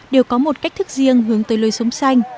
đều có một cách thức riêng hướng tới lối sống xanh